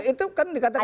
itu kan dikatakan